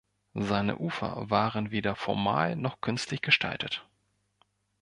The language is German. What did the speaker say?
Seine Ufer waren weder formal noch künstlich gestaltet.